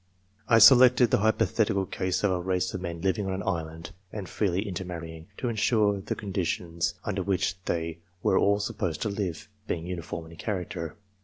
I selected the hypothetical case of a race of men living on an island and freely intermarrying, to ensure the con ditions under which they were all supposed to live, being iniform in character.